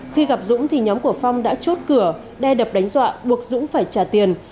khi gặp dũng thì nhóm của phong đã chốt cửa đe đập đánh dọa buộc dũng phải trả tiền